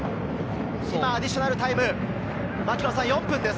アディショナルタイム４分です。